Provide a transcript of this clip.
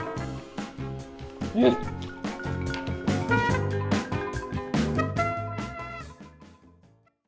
สวัสดีครับ